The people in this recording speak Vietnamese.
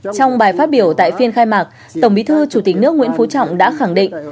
trong bài phát biểu tại phiên khai mạc tổng bí thư chủ tịch nước nguyễn phú trọng đã khẳng định